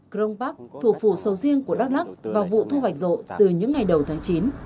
crong park thủ phủ sầu riêng của đắk lắc vào vụ thu hoạch rộ từ những ngày đầu tháng chín